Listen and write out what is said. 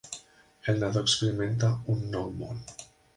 El nadó experimenta un nou món